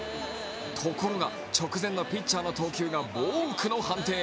ところが直前のピッチャーの投球がボークの判定。